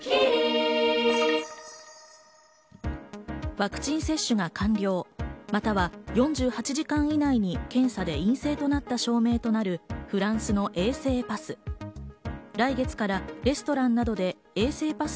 ワクチン接種が完了、または４８時間以内に検査で陰性となった証明となるフランスの衛生パス。